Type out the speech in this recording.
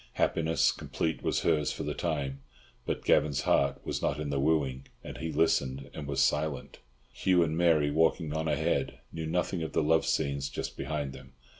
Happiness complete was hers for the time; but Gavan's heart was not in the wooing, and he listened and was silent. Hugh and Mary, walking on ahead, knew nothing of the love scenes just behind them.